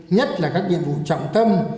nhất là các nhiệm vụ trọng tâm